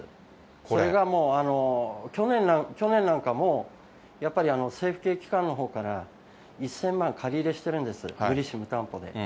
これがもう、去年なんかも、やっぱり政府系機関のほうから１０００万借り入れしてるんです、無利子無担保で。